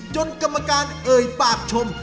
จนกรรมการเอ่ยปากชม